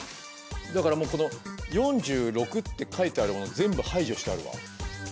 だからもうこの「４６」って書いてあるもの全部排除してあるわ。